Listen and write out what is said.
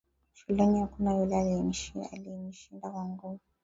Shuleni hakuna yule aliye nishinda kwa nguvu